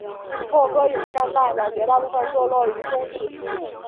莫戈永山脉的绝大部分坐落于中的。